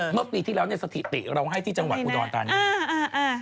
เมื่อปีที่แล้วเนี่ยสถิติเราให้ที่จังหวัดอุดรธานี